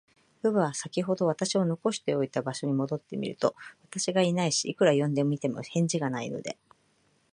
乳母は、さきほど私を残しておいた場所に戻ってみると、私がいないし、いくら呼んでみても、返事がないので、